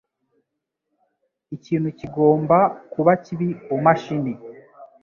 Ikintu kigomba kuba kibi kumashini.